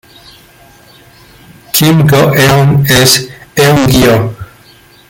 Kim Go-eun "es" Eun-gyo.